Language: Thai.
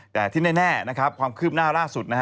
แต่ที่แน่ความคืบหน้าล่าสุด